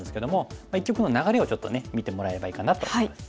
一局の流れをちょっとね見てもらえればいいかなと思います。